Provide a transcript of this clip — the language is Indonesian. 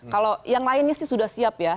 kalau yang lainnya sih sudah siap ya